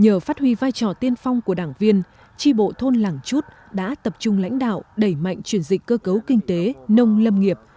nhờ phát huy vai trò tiên phong của đảng viên tri bộ thôn làng chút đã tập trung lãnh đạo đẩy mạnh chuyển dịch cơ cấu kinh tế nông lâm nghiệp